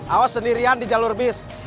awas sendirian di jalur bis